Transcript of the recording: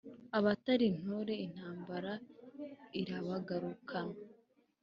Abatari intore intambara irabagarukana.